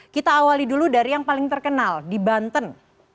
kita awali dulu dari yang paling terkenal di banten